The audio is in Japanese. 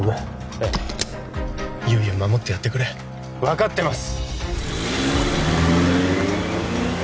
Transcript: ええ悠依を守ってやってくれ分かってます！